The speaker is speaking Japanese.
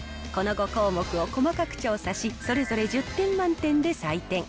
この５項目を細かく調査し、それぞれ１０点満点で採点。